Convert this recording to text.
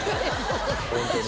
本当に。